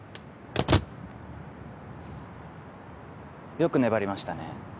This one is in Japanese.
よく粘りましたね